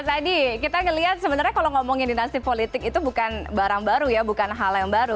tadi kita melihat sebenarnya kalau ngomongin dinasti politik itu bukan barang baru ya bukan hal yang baru